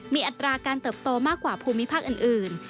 มีอัตราการเติบโตมากกว่าภูมิภาคอื่น